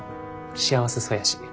幸せそうやし。